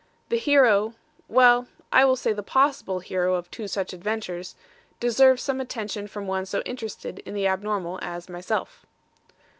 The hero well, I will say the possible hero of two such adventures deserves some attention from one so interested in the abnormal as myself."